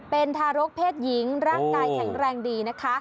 เป็นทารกเพศหญิงร่างกายแข็งแรงดีนะคะ